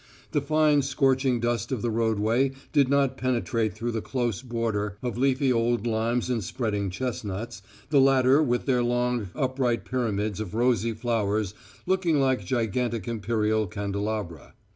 The fine scorching dust of the roadway did not penetrate through the close border of leafy old limes and spreading chestnuts, the latter with their long upright pyramids of rosy flowers looking like gigantic imperial candelabra.